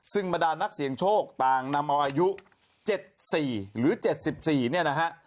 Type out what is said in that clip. ซึ่งบรรดานักเสี่ยงโชคต่างนำเอาอายุ๗๔หรือ๗๔เนี่ยนะฮะ